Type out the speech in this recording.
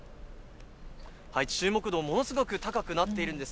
注目度、ものすごく高くなっているんです。